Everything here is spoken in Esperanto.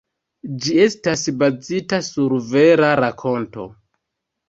Ĝi estas bazita sur vera rakonto.